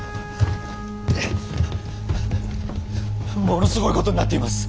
ものすごいことになっています。